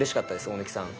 大貫さん